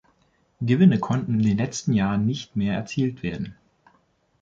Gewinne konnten in den letzten Jahren nicht mehr erzielt werden.